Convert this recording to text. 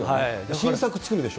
新作作るでしょ。